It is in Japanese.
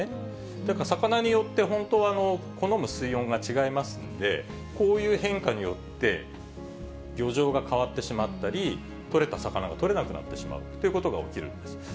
だから魚によって、本当はもう、好む水温が違いますので、こういう変化によって漁場が変わってしまったり、取れた魚が取れなくなってしまうということが起きるんです。